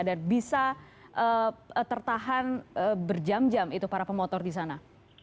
dan bisa tertahan berjam jam itu para pemotor di sana